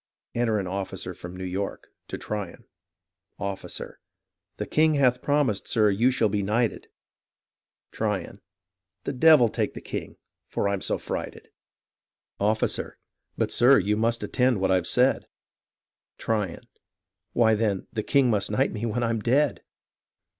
[Enter an officer from New York. To Tryon] Officer The king hath promised, sir, you shall be knighted. BURGOYNE'S PLANS 1 71 Tryon The devil take the king — for I'm so frighted — Officer But, sir, you must attend to what I've said. Tryon Why, then, the king must knight me when I'm dead.